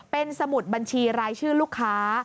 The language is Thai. เป็นสมุดบัญชีรายชื่อลูกค้า